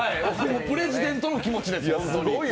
プレジデントの気持ちです。